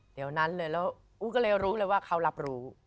เดี๋ยวนั้นเลยแล้วอู้ก็เลยรู้เลยว่าเขารับรู้